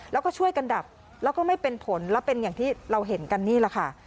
แล้วก็ช่วยกันดับแล้วก็ไม่เป็นผลแล้วเป็นอย่างที่เราเห็นกันนี่แหละค่ะ